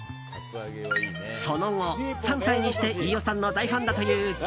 その後、３歳にして飯尾さんの大ファンだという激